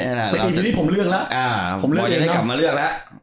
อีพีนี้ผมเลือกละบอกได้กลับมาเลือกละ